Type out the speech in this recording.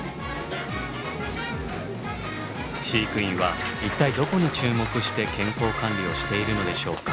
飼育員は一体どこに注目して健康管理をしているのでしょうか？